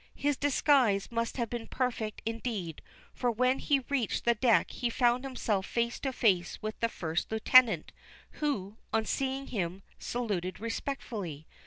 His disguise must have been perfect indeed, for when he reached the deck he found himself face to face with the first lieutenant, who, on seeing him, saluted respectfully.